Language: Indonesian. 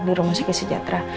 di rumah sakit sejahtera